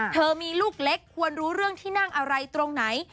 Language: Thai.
เธอมีลูกเล็กควรรู้เรื่องที่นั่งอะไรตรงไหน